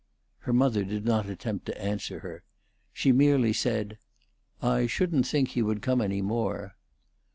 Her mother did not attempt to answer her. She merely said, "I shouldn't think he would come any more."